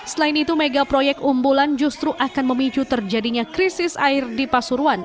selain itu mega proyek umbulan justru akan memicu terjadinya krisis air di pasuruan